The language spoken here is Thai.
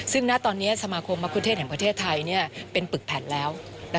ซึ่งณตอนนี้สมาคมมะคุเทศแห่งประเทศไทยเป็นปึกแผ่นแล้ว